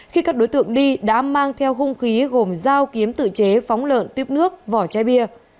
khi các đối tượng đi đã mang theo hung khí gồm dao kiếm tự chế phóng lợn tuyếp nước vỏ chai bia